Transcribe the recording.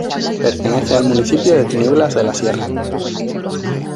Pertenece al municipio de Tinieblas de la Sierra.